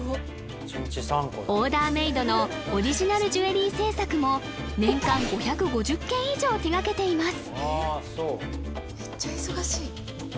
オーダーメイドのオリジナルジュエリー製作も年間５５０件以上手がけています